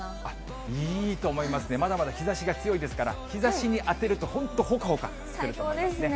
いいと思いますね、まだまだ日ざしが強いですから、日ざしに当てると、本当ほかほかすると思最高ですね。